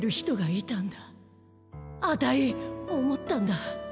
あたいおもったんだ。